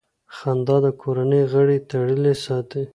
خندا د کورنۍ غړي تړلي ساتي.